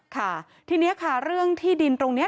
ค่ะทีนี้ค่ะเรื่องที่ดินตรงนี้